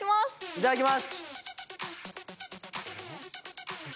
いただきます